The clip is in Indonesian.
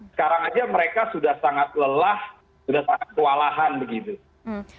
sekarang saja mereka sudah sangat lelah sudah sangat kewalahan begitu